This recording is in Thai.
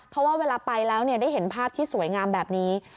เพราะว่าเวลาไปแล้วได้เห็นภาพที่สวยงามแบบนี้